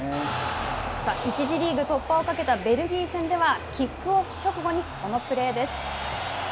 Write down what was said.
１次リーグ突破をかけたベルギー戦では、キックオフ直後に、このプレーです。